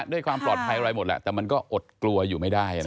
ด้วยความปลอดภัยอะไรหมดแหละแต่มันก็อดกลัวอยู่ไม่ได้